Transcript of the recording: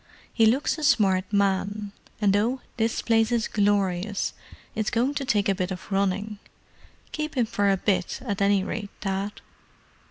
"He looks a smart man—and though this place is glorious, it's going to take a bit of running. Keep him for a bit, at any rate, Dad."